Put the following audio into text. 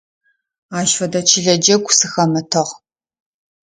Ащ фэдэ чылэ джэгу сыхэмытыгъ.